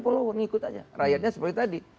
perlu orang ikut saja rakyatnya seperti tadi